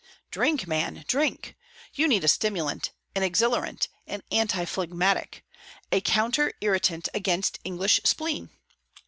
Drink, man, drink! you need a stimulant, an exhilarant, an anti phlegmatic, a counter irritant against English spleen.